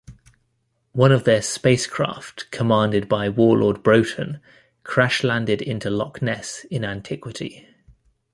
One of their spacecraft, commanded by warlord Broton, crash-landed into Loch Ness in Antiquity.